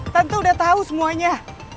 tante udah tahu semuanya